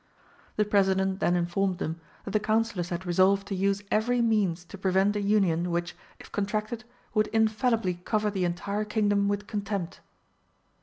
The President then informed them that the Councillors had resolved to use every means to prevent a union which, if contracted, would infallibly cover the entire Kingdom with contempt.